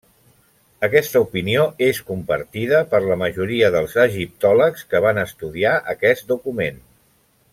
Aquesta opinió és compartida per la majoria dels egiptòlegs que van estudiar aquest document.